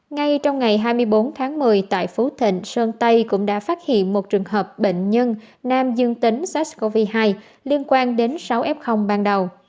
ngay trong ngày hai mươi bốn tháng một mươi tại phú thịnh sơn tây cũng đã phát hiện một trường hợp bệnh nhân nam dương tính sars cov hai liên quan đến sáu f ban đầu